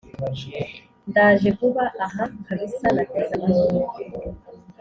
ndaje vuba aha kabisa nateze amatwi